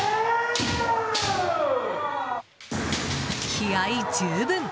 気合い十分！